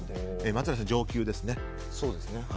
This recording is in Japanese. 松浦さん、上級ですね。